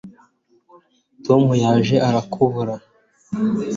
tom yaje arakubura